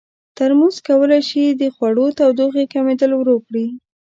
ترموز کولی شي د خوړو تودوخې کمېدل ورو کړي.